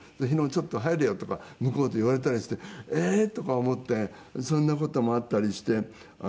ちょっと入れよ」とか向こうで言われたりしてええー！とか思ってそんな事もあったりして。